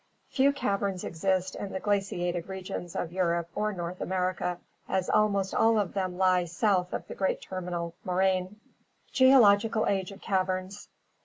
Few caverns exist in the glaciated regions of Europe or North 37° ORGANIC EVOLUTION America, as almost all of them lie south of the great terminal mo raine. Geological Age of Caverns.